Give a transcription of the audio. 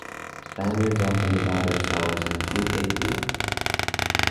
Spaniards divide ourselves in two big groups: